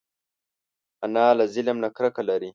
انا له ظلم نه کرکه لري